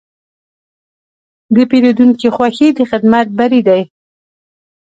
د پیرودونکي خوښي د خدمت بری دی.